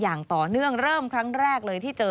อย่างต่อเนื่องเริ่มครั้งแรกเลยที่เจอ